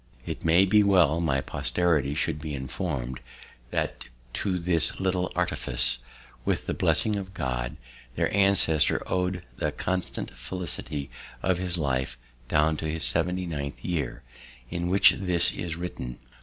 It may be well my posterity should be informed that to this little artifice, with the blessing of God, their ancestor ow'd the constant felicity of his life, down to his 79th year, in which this is written.